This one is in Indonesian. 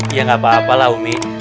iya enggak apa apa lah umi